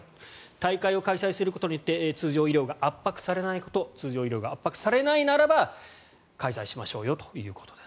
大会を開催することによって通常医療が圧迫されないこと通常医療が圧迫されないならば開催しましょうよということです。